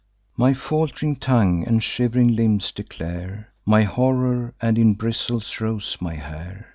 "My falt'ring tongue and shiv'ring limbs declare My horror, and in bristles rose my hair.